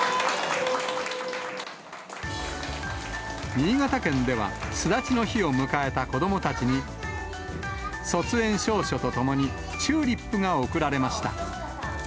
新潟県では、巣立ちの日を迎えた子どもたちに、卒園証書とともにチューリップが贈られました。